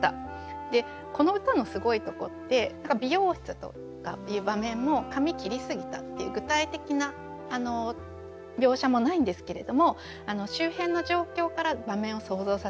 でこの歌のすごいとこって「美容室」とかっていう場面も「髪切りすぎた」っていう具体的な描写もないんですけれども周辺の状況から場面を想像させる。